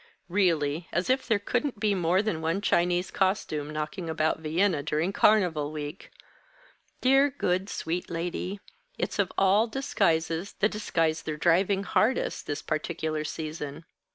Really, as if there couldn't be more than one Chinese costume knocking about Vienna, during carnival week! Dear, good, sweet lady, it's of all disguises the disguise they're driving hardest, this particular season.